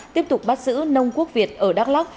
tiếp tục bắt giữ nông quốc việt ở đắk lắc